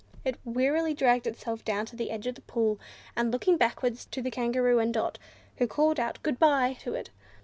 It wearily dragged itself down to the edge of the pool, and looked backwards to the Kangaroo and Dot, who called out "Good bye" to it.